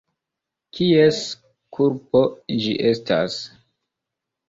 Kies kulpo ĝi estas?